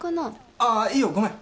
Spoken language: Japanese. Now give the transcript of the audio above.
あいいよごめん。